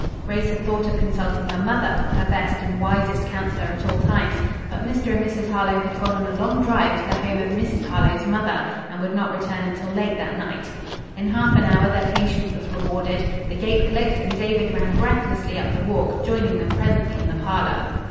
Grace had thought of consulting her mother, her best and wisest counsellor at all times, but Mr. and Mrs. Harlowe had gone on a long drive to the home of Mrs. Harlowe's mother and would not return until late that night. In half an hour their patience was rewarded; the gate clicked and David ran breathlessly up the walk, joining them presently in the parlor.